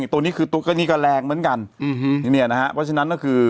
ตัวนี้คือตุ๊กก็นี่ก็แรงเหมือนกันเนี่ยนะฮะเพราะฉะนั้นก็คือ